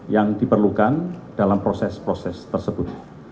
yang diperlukan dalam proses proses tersebut